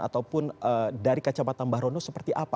ataupun dari kacau mata mbah rono seperti apa